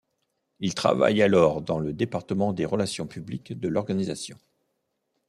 Il travaille alors dans le département des Relations publiques de l'organisation.